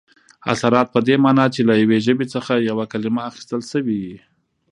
اثرات په دې مانا، چي له یوې ژبي څخه یوه کلیمه اخستل سوې يي.